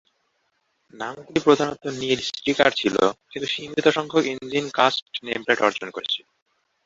নামগুলি প্রধানত নীল স্টিকার ছিল, কিন্তু সীমিত সংখ্যক ইঞ্জিন কাস্ট নেমপ্লেট অর্জন করেছিল।